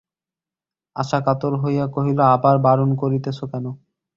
আশা কাতর হইয়া কহিল, আবার বারণ করিতেছ কেন।